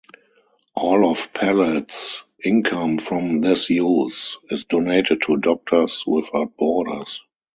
All of Pallett's income from this use is donated to Doctors Without Borders.